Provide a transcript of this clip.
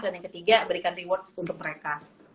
dan yang ketiga berikan reward untuk mereka